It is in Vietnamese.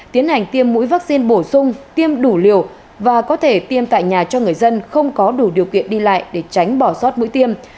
tiến hành tiêm mũi vaccine bổ sung tiêm đủ liều và có thể tiêm tại nhà cho người dân không có đủ điều kiện đi lại để tránh bỏ sót mũi tiêm